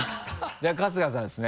じゃあ春日さんですね。